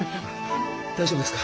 大丈夫ですか？